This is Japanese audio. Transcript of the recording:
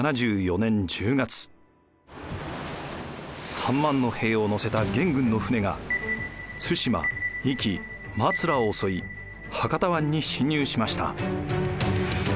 ３万の兵を乗せた元軍の船が対馬壱岐松浦を襲い博多湾に侵入しました。